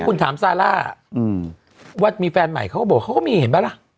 คุณถามซาร่าว่ามีแฟนใหม่เขาก็บอกเขาก็มีเห็นป่ะล่ะ